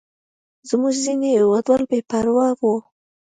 زموږ ځینې هېوادوال بې پروا وو.